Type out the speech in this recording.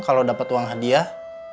kalau dapet uang hadiah